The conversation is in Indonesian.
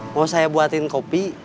mau saya buatin kopi